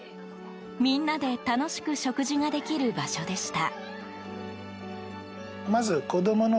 みんなで楽しく食事ができる場所でした。